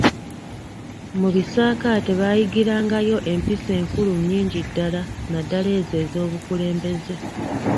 Mu bisaakaate baayigirangayo empisa enkulu nnyingi ddala naddala ezo ez’obukulembeze.